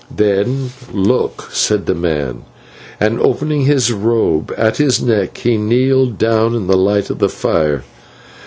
"'Then look!' said the man, and, opening his robe at the neck, he kneeled down in the light of the fire.